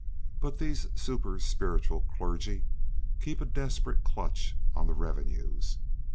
But these super spiritual clergy keep a desperate clutch on the revenues.